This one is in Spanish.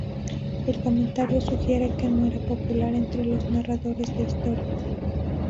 El comentario sugiere que no era popular entre los narradores de historias.